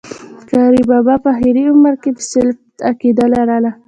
قاري بابا په آخري عمر کي د سلفيت عقيده لرله